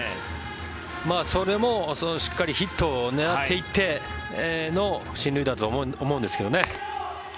それもしっかりヒットを狙っていっての進塁打だと思うんですけどね。